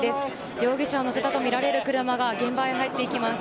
容疑者を乗せたとみられる車が現場へ入っていきます。